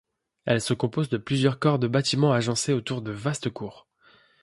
Elle se compose de plusieurs corps de bâtiments agencés autour de vastes cours.